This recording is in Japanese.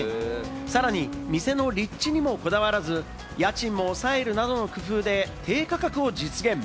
さらに店の立地にもこだわらず、家賃を抑えるなどの工夫で低価格を実現。